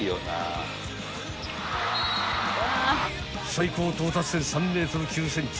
［最高到達点３ｍ９ｃｍ］